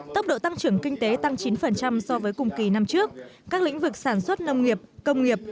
tốc độ tăng trưởng kinh tế tăng chín so với cùng kỳ năm trước các lĩnh vực sản xuất nông nghiệp công nghiệp